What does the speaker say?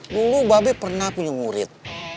dulu mba be pernah punya murid